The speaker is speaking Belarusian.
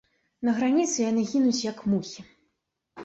На граніцы яны гінуць як мухі.